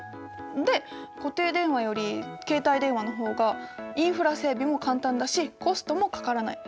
で固定電話より携帯電話の方がインフラ整備も簡単だしコストもかからない。